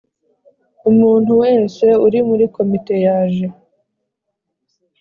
Umuntu wese uri muri Komite yaje